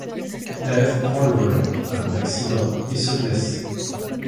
Thève prend le volant, a un accident et se blesse.